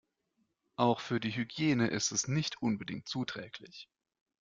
Auch für die Hygiene ist es nicht unbedingt zuträglich.